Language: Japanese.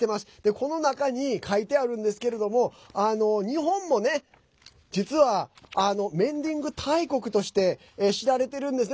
この中に書いてあるんですけれども日本もね実はメンディング大国として知られてるんですね。